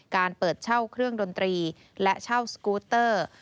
การเปิดเช่าเครื่องดนตรีและเช่าสกูตเตอร์